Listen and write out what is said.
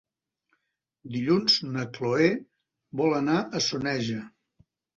Dilluns na Cloè vol anar a Soneja.